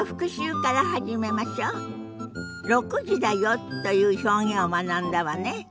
「６時だよ」という表現を学んだわね。